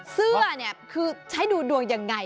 เสื้อใช้ดูดวงอย่างไร